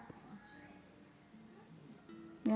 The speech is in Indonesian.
tidak ditegur tidak dianggap